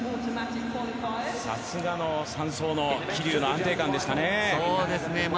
さすがの３走の桐生の安定感でしたね。